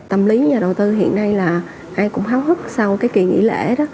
tâm lý nhà đầu tư hiện nay là ai cũng hóa hức sau cái kỳ nghỉ lễ